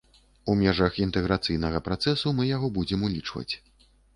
І ў межах інтэграцыйнага працэсу мы яго будзем улічваць.